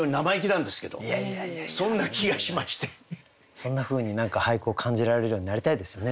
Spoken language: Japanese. そんなふうに何か俳句を感じられるようになりたいですよね